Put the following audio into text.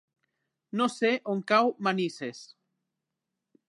No sé on cau Manises.